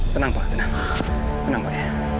tenang pak tenang tenang pak